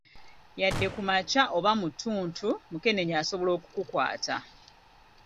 Yadde kumakya oba mu ttuntu, mukenenya asobola okukukwata.